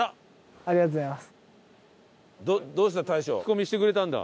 ありがとうございます。